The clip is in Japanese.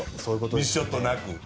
ミスショットなく。